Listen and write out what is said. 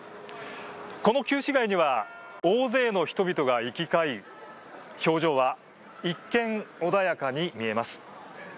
この旧市街には大勢の人々が行き交い表情は一見、穏やかに見えます。